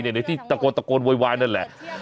ในที่ตะโกนโว๊ยนั่นแหละ